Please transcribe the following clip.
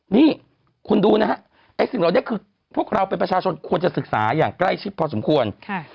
นี่คุณดูนะฮะไอ้สิ่งเหล่านี้คือพวกเราเป็นประชาชนควรจะศึกษาอย่างใกล้ชิดพอสมควร